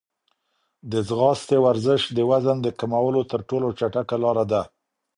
د ځغاستې ورزش د وزن د کمولو تر ټولو چټکه لاره ده.